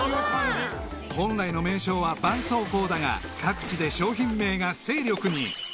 ［本来の名称はばんそうこうだが各地で商品名が勢力に］